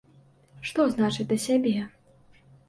Што значыць да сябе?